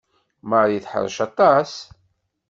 Marie teḥṛec aṭas.